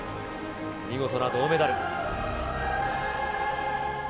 見事な銅メダル。